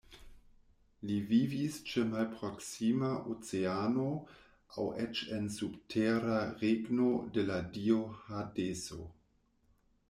Li vivis ĉe malproksima Oceano aŭ eĉ en subtera regno de la dio Hadeso.